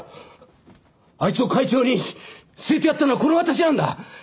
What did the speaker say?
あいつを会長に据えてやったのはこの私なんだ。